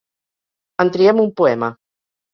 En triem un poema.